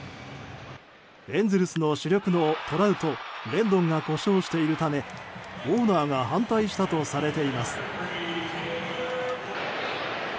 エンゼルスの主力のトラウト、レンドンが故障しているため、オーナーが反対したとされています。